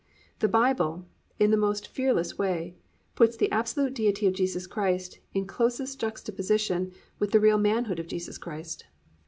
The Bible, in the most fearless way, puts the absolute Deity of Jesus Christ in closest juxtaposition with the real manhood of Jesus Christ.